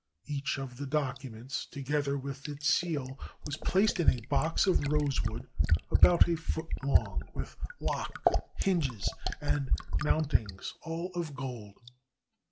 Each of the documents, together with its seal, was placed in a box of rosewood about a foot long, with lock, hinges, and mountings all of gold.